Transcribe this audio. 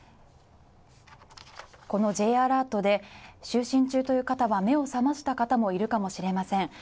このＪアラートで、就寝中という方は目を覚ましたかもしれません。